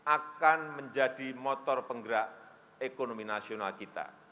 akan menjadi motor penggerak ekonomi nasional kita